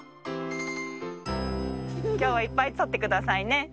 きょうはいっぱいとってくださいね。